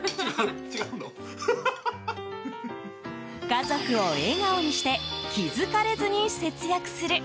家族を笑顔にして気付かれずに節約する。